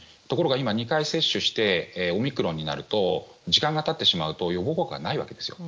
ところが今、２回接種してオミクロンになると時間が経ってしまうと予防効果がないわけです。